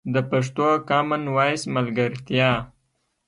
د پښتو کامن وایس ملګرتیا